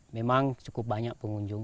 memang cukup banyak pengunjung